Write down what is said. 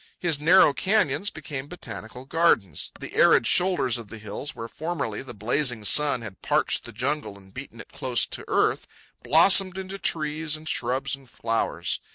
His narrow canyons became botanical gardens. The arid shoulders of the hills, where formerly the blazing sun had parched the jungle and beaten it close to earth, blossomed into trees and shrubs and flowers.